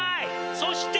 そして！